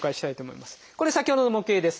これ先ほどの模型です。